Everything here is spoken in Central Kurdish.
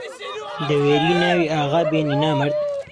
دەوێری ناوی ئاغا بێنی نامەرد!